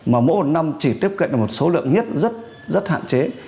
mà mỗi một năm chỉ tiếp cận một số lượng nhất rất rất hạn chế